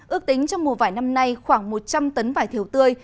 ước tính trong mùa vải năm nay khoảng một trăm linh tấn vải thiều tươi